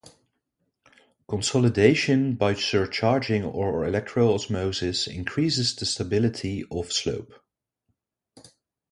Consolidation by surcharging or electro osmosis increases the stability of slope.